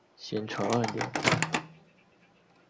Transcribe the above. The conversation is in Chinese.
咸淳二年。